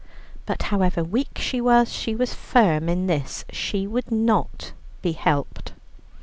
But however weak she was, she was firm in this: she would not be helped.